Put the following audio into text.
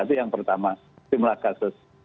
itu yang pertama jumlah kasus